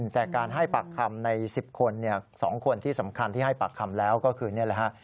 แต่การให้ปากคำใน๑๐คน๒คนที่สำคัญที่ให้ปากคำแล้วก็คือนี่แหละฮะ